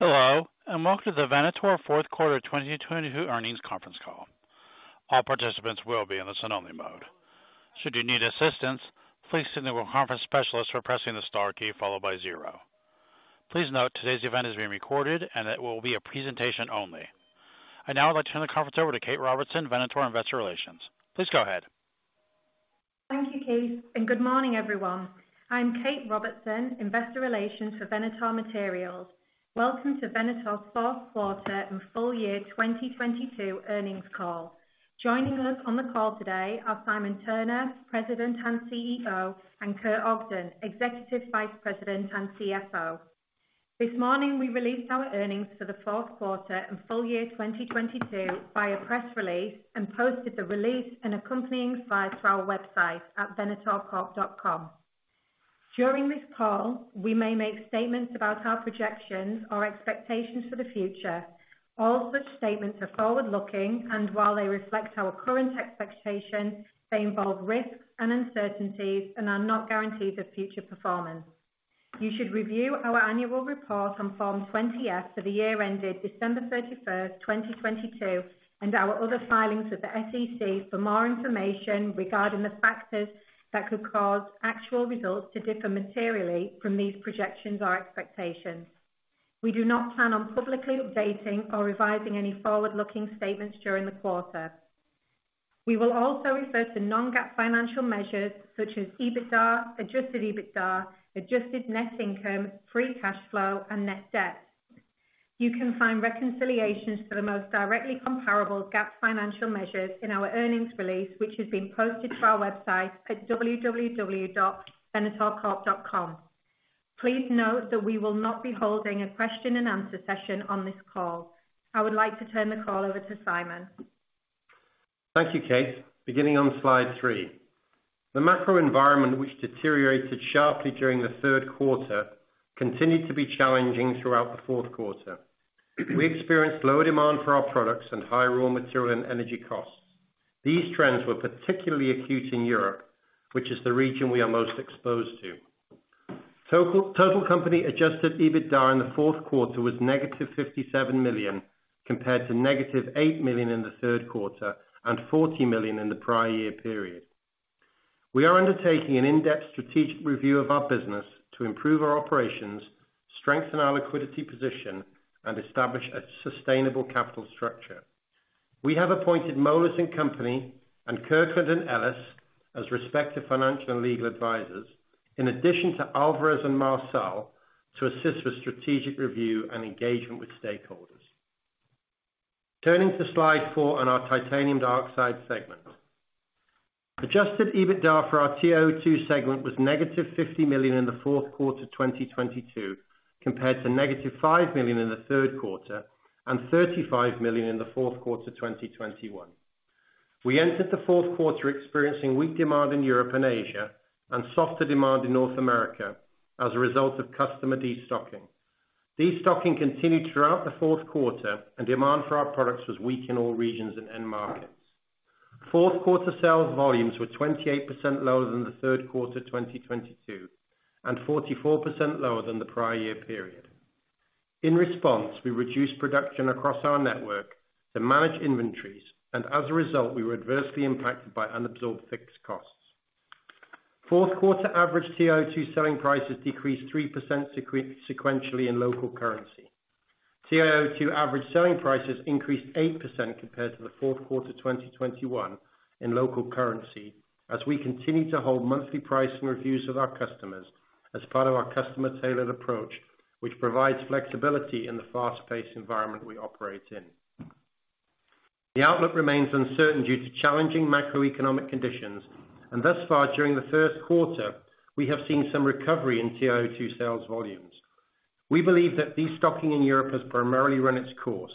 Hello, welcome to the Venator fourth quarter 2022 earnings conference call. All participants will be in the listen-only mode. Should you need assistance, please signal conference specialist by pressing the star key followed by zero. Please note, today's event is being recorded and it will be a presentation only. I'd now like to turn the conference over to Kate Robertson, Venator Investor Relations. Please go ahead. Thank you, Keith. Good morning, everyone. I'm Kate Robertson, Investor Relations for Venator Materials. Welcome to Venator's fourth quarter and full year 2022 earnings call. Joining us on the call today are Simon Turner, President and CEO, and Kurt Ogden, Executive Vice President and CFO. This morning, we released our earnings for the fourth quarter and full year 2022 by a press release and posted the release and accompanying slides to our website at venatorcorp.com. During this call, we may make statements about our projections or expectations for the future. All such statements are forward-looking, and while they reflect our current expectations, they involve risks and uncertainties and are not guarantees of future performance. You should review our annual report on Form 20-F for the year ended December 31st, 2022, and our other filings with the SEC for more information regarding the factors that could cause actual results to differ materially from these projections or expectations. We do not plan on publicly updating or revising any forward-looking statements during the quarter. We will also refer to non-GAAP financial measures such as EBITDA, Adjusted EBITDA, adjusted net income, free cash flow and net debt. You can find reconciliations for the most directly comparable GAAP financial measures in our earnings release, which has been posted to our website at www.venatorcorp.com. Please note that we will not be holding a question and answer session on this call. I would like to turn the call over to Simon. Thank you, Kate. Beginning on Slide 3. The macro environment, which deteriorated sharply during the third quarter, continued to be challenging throughout the fourth quarter. We experienced lower demand for our products and high raw material and energy costs. These trends were particularly acute in Europe, which is the region we are most exposed to. Total company Adjusted EBITDA in the fourth quarter was -$57 million, compared to -$8 million in the third quarter and $40 million in the prior year period. We are undertaking an in-depth strategic review of our business to improve our operations, strengthen our liquidity position and establish a sustainable capital structure. We have appointed Moelis & Company and Kirkland & Ellis as respective financial and legal advisors, in addition to Alvarez & Marsal to assist with strategic review and engagement with stakeholders. Turning to Slide 4 on our titanium dioxide segment. Adjusted EBITDA for our TiO2 segment was -$50 million in the fourth quarter 2022, compared to -$5 million in the third quarter and $35 million in the fourth quarter 2021. We entered the fourth quarter experiencing weak demand in Europe and Asia and softer demand in North America as a result of customer destocking. Destocking continued throughout the fourth quarter and demand for our products was weak in all regions and end markets. Fourth quarter sales volumes were 28% lower than the third quarter 2022 and 44% lower than the prior year period. In response, we reduced production across our network to manage inventories and as a result, we were adversely impacted by unabsorbed fixed costs. Fourth quarter average TiO2 selling prices decreased 3% sequentially in local currency. TiO2 average selling prices increased 8% compared to the fourth quarter 2021 in local currency as we continue to hold monthly pricing reviews with our customers as part of our customer-tailored approach, which provides flexibility in the fast-paced environment we operate in. Thus far during the first quarter, we have seen some recovery in TiO2 sales volumes. We believe that destocking in Europe has primarily run its course,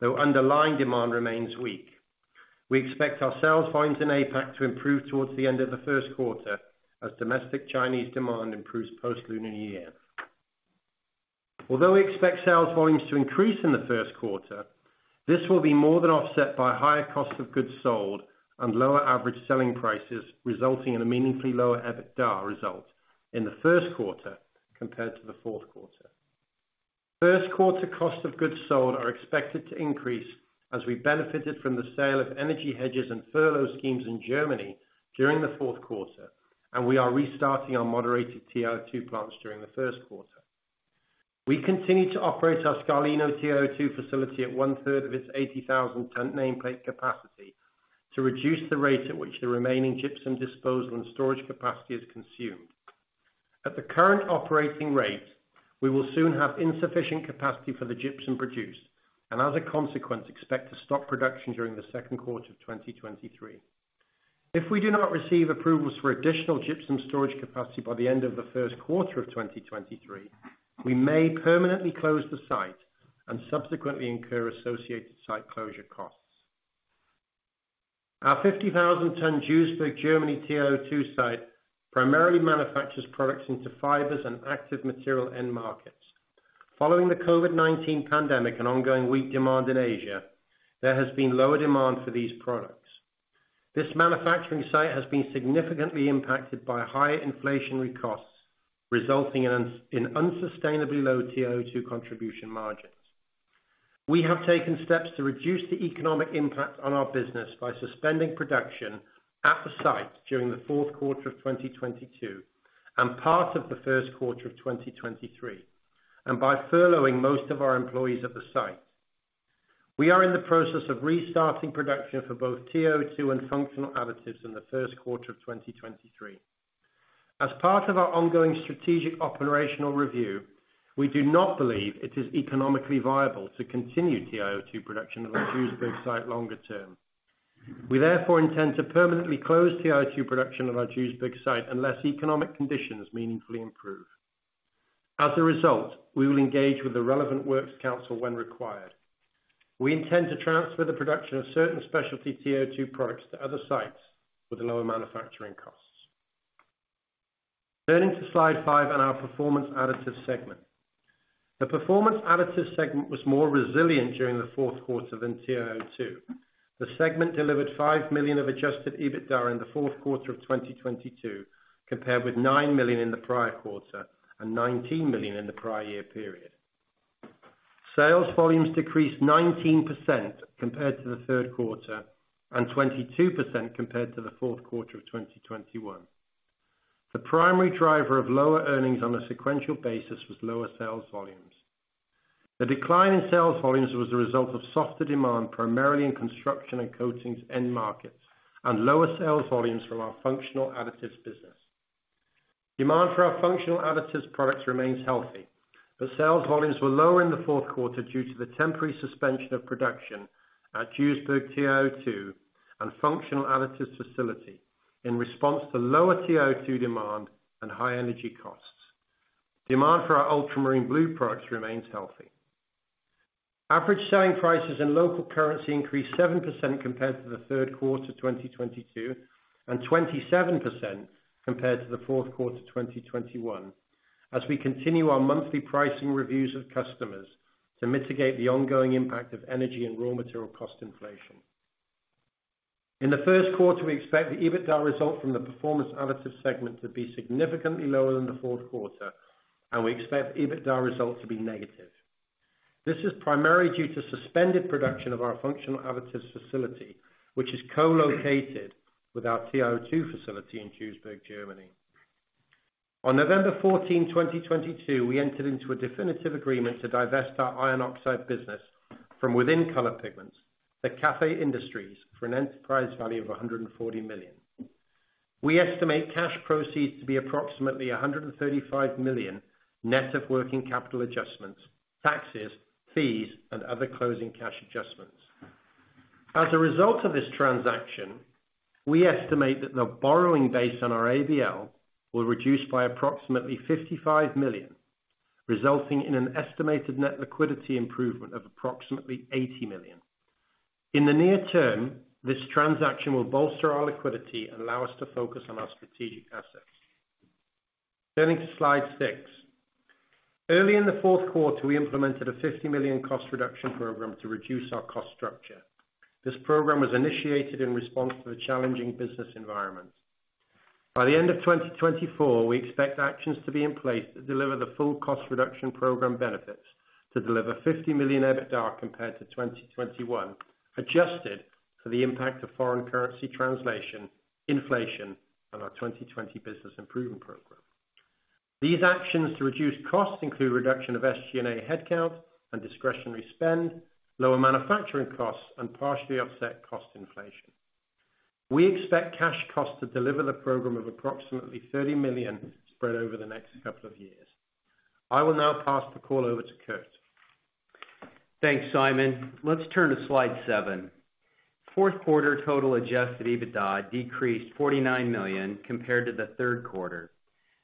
though underlying demand remains weak. We expect our sales volumes in APAC to improve towards the end of the first quarter as domestic Chinese demand improves post-Lunar year. We expect sales volumes to increase in the first quarter, this will be more than offset by higher cost of goods sold and lower average selling prices, resulting in a meaningfully lower EBITDA result in the first quarter compared to the fourth quarter. First quarter cost of goods sold are expected to increase as we benefited from the sale of energy hedges and furlough schemes in Germany during the fourth quarter, and we are restarting our moderated TiO2 plants during the first quarter. We continue to operate our Scarlino TiO2 facility at one-third of its 80,000 tons nameplate capacity to reduce the rate at which the remaining gypsum disposal and storage capacity is consumed. At the current operating rate, we will soon have insufficient capacity for the gypsum produced and as a consequence, expect to stop production during the second quarter of 2023. If we do not receive approvals for additional gypsum storage capacity by the end of the first quarter of 2023, we may permanently close the site and subsequently incur associated site closure costs. Our 50,000 ton Duisburg, Germany TiO2 site primarily manufactures products into fibers and active material end markets. Following the COVID-19 pandemic and ongoing weak demand in Asia, there has been lower demand for these products. This manufacturing site has been significantly impacted by higher inflationary costs, resulting in unsustainably low TiO2 contribution margins. We have taken steps to reduce the economic impact on our business by suspending production at the site during the fourth quarter of 2022 and part of the first quarter of 2023, and by furloughing most of our employees at the site. We are in the process of restarting production for both TiO2 and functional additives in the first quarter of 2023. As part of our ongoing strategic operational review, we do not believe it is economically viable to continue TiO2 production at our Duisburg site longer term. We therefore intend to permanently close TiO2 production at our Duisburg site unless economic conditions meaningfully improve. As a result, we will engage with the relevant works council when required. We intend to transfer the production of certain specialty TiO2 products to other sites with lower manufacturing costs. Turning to slide 5 on our Performance Additives segment. The Performance Additives segment was more resilient during the fourth quarter than TiO2. The segment delivered $5 million of Adjusted EBITDA in the fourth quarter of 2022, compared with $9 million in the prior quarter and $19 million in the prior year period. Sales volumes decreased 19% compared to the third quarter, and 22% compared to the fourth quarter of 2021. The primary driver of lower earnings on a sequential basis was lower sales volumes. The decline in sales volumes was the result of softer demand, primarily in construction and coatings end markets, and lower sales volumes from our functional additives business. Demand for our functional additives products remains healthy, but sales volumes were lower in the fourth quarter due to the temporary suspension of production at Duisburg TiO2 and functional additives facility in response to lower TiO2 demand and high energy costs. Demand for our ultramarine blue products remains healthy. Average selling prices in local currency increased 7% compared to the third quarter 2022, and 27% compared to the fourth quarter 2021, as we continue our monthly pricing reviews with customers to mitigate the ongoing impact of energy and raw material cost inflation. In the first quarter, we expect the EBITDA result from the Performance Additives segment to be significantly lower than the fourth quarter, and we expect EBITDA results to be negative. This is primarily due to suspended production of our functional additives facility, which is co-located with our TiO2 facility in Duisburg, Germany. On November 14th, 2022, we entered into a definitive agreement to divest our iron oxide business from within Color Pigments, the Cathay Industries, for an enterprise value of $140 million. We estimate cash proceeds to be approximately $135 million, net of working capital adjustments, taxes, fees, and other closing cash adjustments. As a result of this transaction, we estimate that the borrowing base on our ABL will reduce by approximately $55 million, resulting in an estimated net liquidity improvement of approximately $80 million. In the near term, this transaction will bolster our liquidity and allow us to focus on our strategic assets. Turning to slide 6. Early in the fourth quarter, we implemented a $50 million cost reduction program to reduce our cost structure. This program was initiated in response to the challenging business environment. By the end of 2024, we expect actions to be in place that deliver the full cost reduction program benefits to deliver $50 million EBITDA compared to 2021, adjusted for the impact of foreign currency translation, inflation, and our 2020 business improvement program. These actions to reduce costs include reduction of SG&A headcount and discretionary spend, lower manufacturing costs, and partially offset cost inflation. We expect cash costs to deliver the program of approximately $30 million spread over the next couple of years. I will now pass the call over to Kurt. Thanks, Simon. Let's turn to Slide 7. Fourth quarter total Adjusted EBITDA decreased $49 million compared to the third quarter.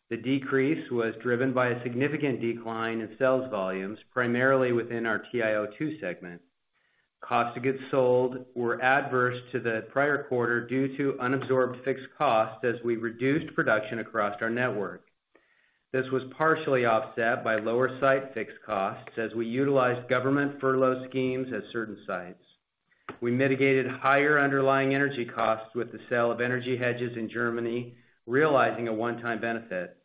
The decrease was driven by a significant decline in sales volumes, primarily within our TiO2 segment. Cost of goods sold were adverse to the prior quarter due to unabsorbed fixed costs as we reduced production across our network. This was partially offset by lower site fixed costs as we utilized government furlough schemes at certain sites. We mitigated higher underlying energy costs with the sale of energy hedges in Germany, realizing a one-time benefit.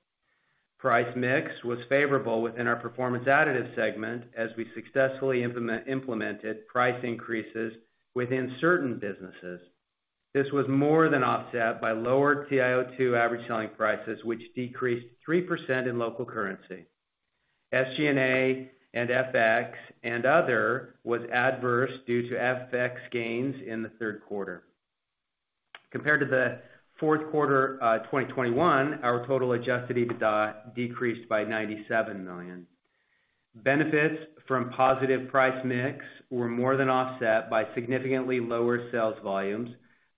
Price mix was favorable within our Performance Additives segment as we successfully implemented price increases within certain businesses. This was more than offset by lower TiO2 average selling prices, which decreased 3% in local currency. SG&A and FX and other was adverse due to FX gains in the third quarter. Compared to the fourth quarter, 2021, our total Adjusted EBITDA decreased by $97 million. Benefits from positive price mix were more than offset by significantly lower sales volumes,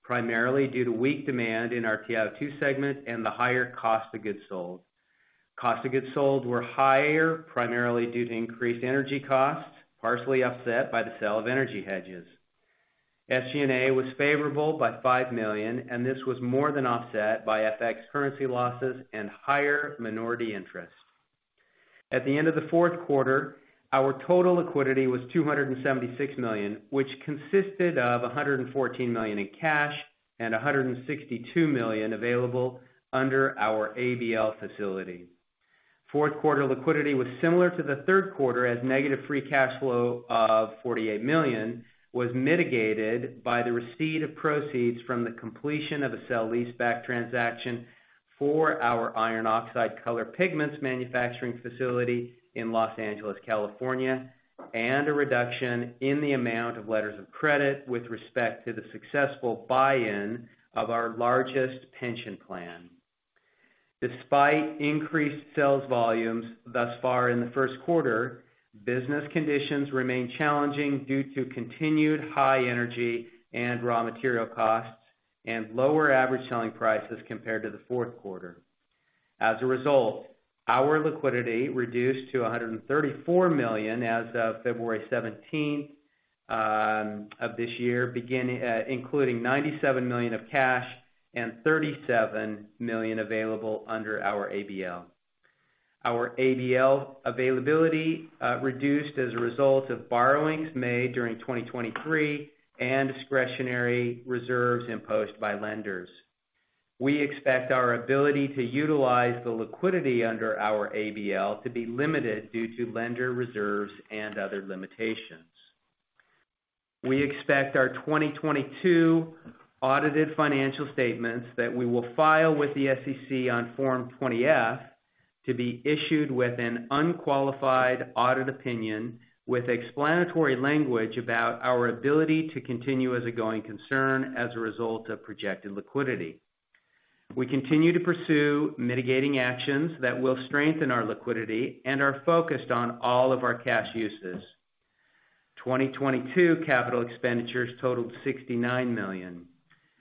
primarily due to weak demand in our TiO2 segment and the higher cost of goods sold. Cost of goods sold were higher, primarily due to increased energy costs, partially offset by the sale of energy hedges. SG&A was favorable by $5 million. This was more than offset by FX currency losses and higher minority interest. At the end of the fourth quarter, our total liquidity was $276 million, which consisted of $114 million in cash and $162 million available under our ABL facility. Fourth quarter liquidity was similar to the third quarter as negative free cash flow of $48 million was mitigated by the receipt of proceeds from the completion of a sale-leaseback transaction for our iron oxide Color Pigments manufacturing facility in Los Angeles, California, and a reduction in the amount of letters of credit with respect to the successful buy-in of our largest pension plan. Despite increased sales volumes thus far in the first quarter, business conditions remain challenging due to continued high energy and raw material costs and lower average selling prices compared to the fourth quarter. As a result, our liquidity reduced to $134 million as of February 17th of this year, including $97 million of cash and $37 million available under our ABL. Our ABL availability reduced as a result of borrowings made during 2023 and discretionary reserves imposed by lenders. We expect our ability to utilize the liquidity under our ABL to be limited due to lender reserves and other limitations. We expect our 2022 audited financial statements that we will file with the SEC on Form 20-F to be issued with an unqualified audit opinion with explanatory language about our ability to continue as a going concern as a result of projected liquidity. We continue to pursue mitigating actions that will strengthen our liquidity and are focused on all of our cash uses. 2022 capital expenditures totaled $69 million.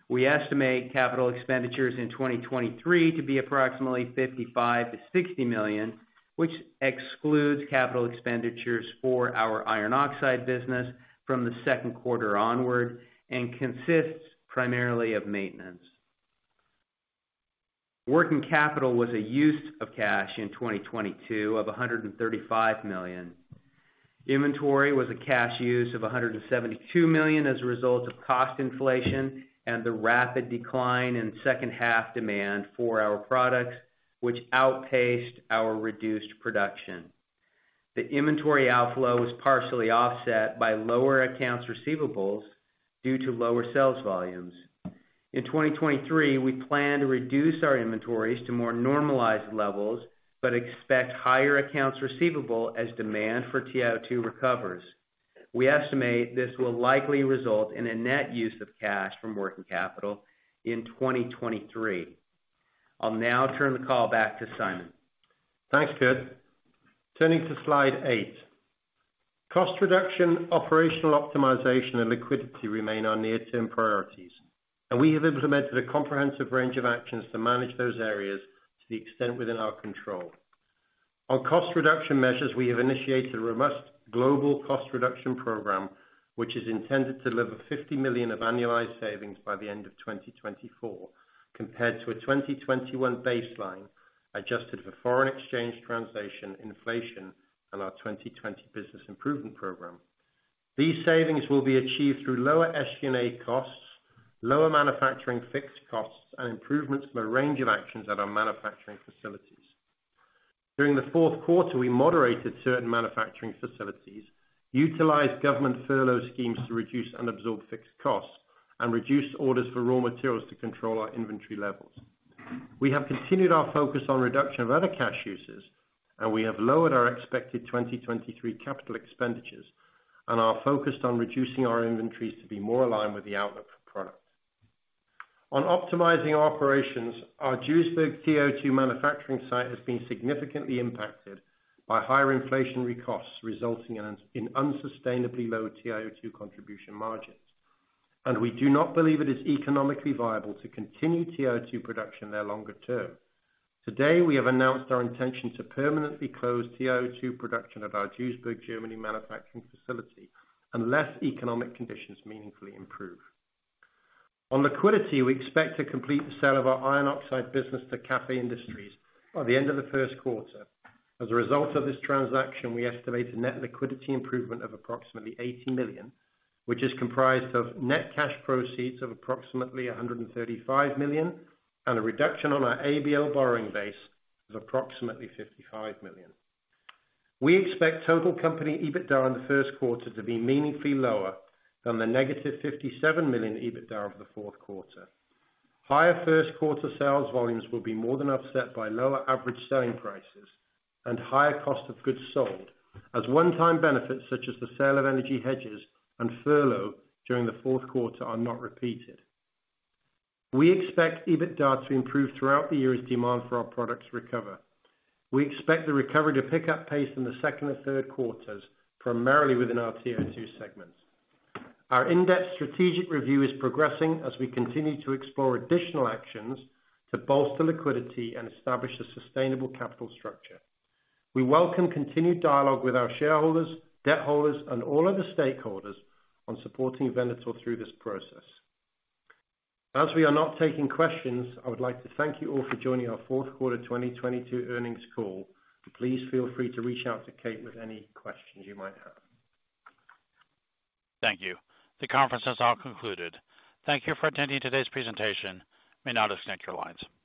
We estimate capital expenditures in 2023 to be approximately $55 million-$60 million, which excludes capital expenditures for our iron oxide business from the second quarter onward and consists primarily of maintenance. Working capital was a use of cash in 2022 of $135 million. Inventory was a cash use of $172 million as a result of cost inflation and the rapid decline in second half demand for our products, which outpaced our reduced production. The inventory outflow was partially offset by lower accounts receivables due to lower sales volumes. In 2023, we plan to reduce our inventories to more normalized levels, but expect higher accounts receivable as demand for TiO2 recovers. We estimate this will likely result in a net use of cash from working capital in 2023. I'll now turn the call back to Simon. Thanks, Kurt. Turning to Slide 8. Cost reduction, operational optimization, and liquidity remain our near-term priorities. We have implemented a comprehensive range of actions to manage those areas to the extent within our control. On cost reduction measures, we have initiated a robust global cost reduction program, which is intended to deliver $50 million of annualized savings by the end of 2024 compared to a 2021 baseline, adjusted for foreign exchange translation inflation and our 2020 business improvement program. These savings will be achieved through lower SG&A costs, lower manufacturing fixed costs, and improvements from a range of actions at our manufacturing facilities. During the fourth quarter, we moderated certain manufacturing facilities, utilized government furlough schemes to reduce and absorb fixed costs, and reduced orders for raw materials to control our inventory levels. We have continued our focus on reduction of other cash uses. We have lowered our expected 2023 capital expenditures and are focused on reducing our inventories to be more aligned with the outlook for product. On optimizing operations, our Duisburg TiO2 manufacturing site has been significantly impacted by higher inflationary costs, resulting in unsustainably low TiO2 contribution margins. We do not believe it is economically viable to continue TiO2 production there longer term. Today, we have announced our intention to permanently close TiO2 production at our Duisburg, Germany, manufacturing facility unless economic conditions meaningfully improve. On liquidity, we expect to complete the sale of our iron oxide business to Cathay Industries by the end of the first quarter. As a result of this transaction, we estimate a net liquidity improvement of approximately $80 million, which is comprised of net cash proceeds of approximately $135 million and a reduction on our ABL borrowing base of approximately $55 million. We expect total company EBITDA in the first quarter to be meaningfully lower than the negative $57 million EBITDA of the fourth quarter. Higher first quarter sales volumes will be more than offset by lower average selling prices and higher cost of goods sold as one-time benefits such as the sale of energy hedges and furlough during the fourth quarter are not repeated. We expect EBITDA to improve throughout the year as demand for our products recover. We expect the recovery to pick up pace in the second or third quarters, primarily within our TiO2 segments. Our in-depth strategic review is progressing as we continue to explore additional actions to bolster liquidity and establish a sustainable capital structure. We welcome continued dialogue with our shareholders, debt holders, and all other stakeholders on supporting Venator through this process. As we are not taking questions, I would like to thank you all for joining our fourth quarter of 2022 earnings call. Please feel free to reach out to Kate with any questions you might have. Thank you. The conference has now concluded. Thank you for attending today's presentation. You may now disconnect your lines.